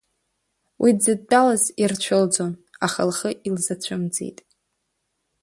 Уи дзыдтәалаз ирцәылӡон, аха лхы илзацәымӡеит.